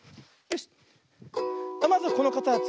まずこのかたち。